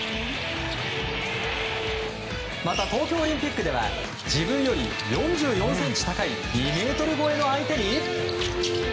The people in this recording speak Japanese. また、東京オリンピックでは自分より４４ｃｍ高い２ｍ超えの相手に。